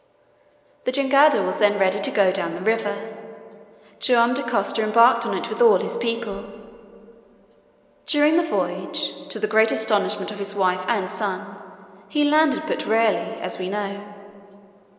The jangada was then ready to go down the river. Joam Dacosta embarked on it with all his people. During the voyage, to the great astonishment of his wife and son, he landed but rarely, as we know.